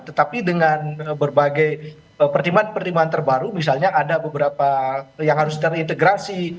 tetapi dengan berbagai pertimbangan pertimbangan terbaru misalnya ada beberapa yang harus terintegrasi